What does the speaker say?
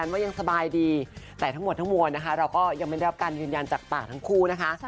ว่ายังสบายดีแต่ทั้งหมดทั้งมวลนะคะเราก็ยังไม่ได้รับการยืนยันจากปากทั้งคู่นะคะ